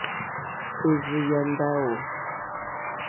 Érzù yá ndáwò.